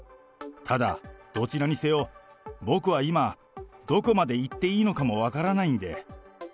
ただ、どちらにせよ、僕は今、どこまで言っていいのかも分からないんで。